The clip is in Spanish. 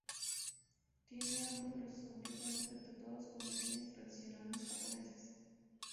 Tiene ambos brazos completamente tatuados con diseños tradicionales Japoneses.